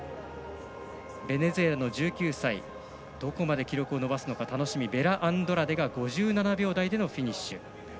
ベネズエラの１９歳どこまで記録を伸ばすのか楽しみベラアンドラデが５７秒台でのフィニッシュ。